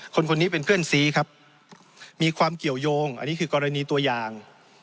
คนนี้เป็นเพื่อนซีครับมีความเกี่ยวยงอันนี้คือกรณีตัวอย่าง